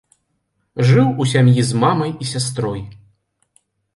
Жыў у сям'і з мамай і сястрой.